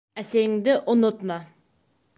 Әсәйеңде онотма!